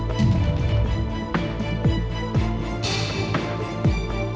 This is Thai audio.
ขอโทษนะ